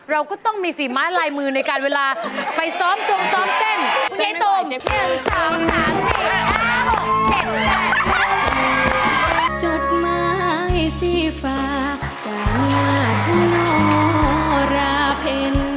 เราก็ต้องมีฝีม้าลายมือในการเวลาไปซ้อมตมซ้อมเต้น